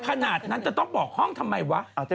ขนาดนั้นจะต้องบอกห้องทำไมวะ